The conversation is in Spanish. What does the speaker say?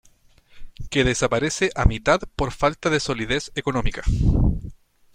Que desaparece a mitad por falta de solidez económica.